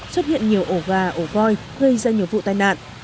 xuất hiện nhiều ổ gà ổ voi gây ra nhiều vụ tai nạn